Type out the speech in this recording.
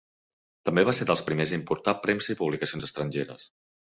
També va ser dels primers a importar premsa i publicacions estrangeres.